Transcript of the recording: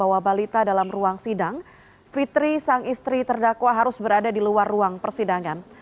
membawa balita dalam ruang sidang fitri sang istri terdakwa harus berada di luar ruang persidangan